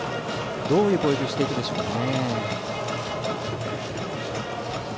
どういう攻略していくでしょうね。